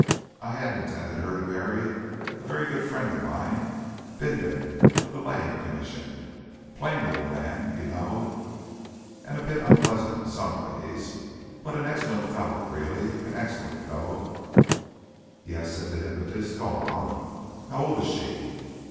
"I had intended her to marry a very good friend of mine Bindon of the Lighting Commission plain little man, you know, and a bit unpleasant in some of his ways, but an excellent fellow really an excellent fellow." "Yes," said the hypnotist, "go on. How old is she?"